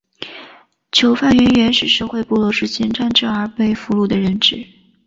囚犯源于原始社会部落之间战争而被俘虏的人质。